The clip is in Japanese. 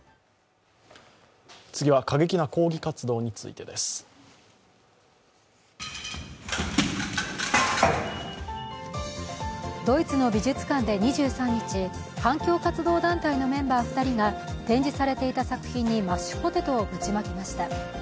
次は、過激な抗議活動についてです。ドイツの美術館で２３日、環境活動団体のメンバー２人が展示されていた作品にマッシュポテトをぶちまけました。